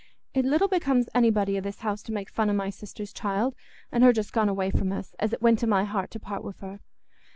It little becomes anybody i' this house to make fun o' my sister's child, an' her just gone away from us, as it went to my heart to part wi' her.